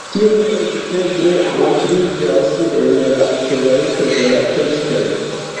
Tio neeviteble montriĝas en la kvalito de la tekstoj.